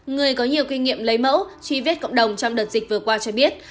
người có nhiều kinh nghiệm lấy mẫu truy vết cộng đồng trong đợt dịch vừa qua cho biết